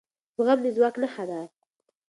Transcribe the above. زغم د ځواک نښه ده